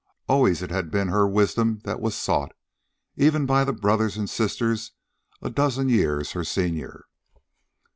Always it had been her wisdom that was sought, even by the brothers and sisters a dozen years her senior.